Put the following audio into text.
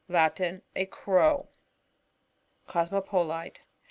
~Latin, A Crow. Cosmopolite.